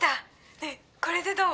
ねえこれでどう？」